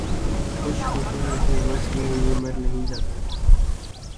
خوش ہوتے ہیں پر وصل میں یوں مر نہیں جاتے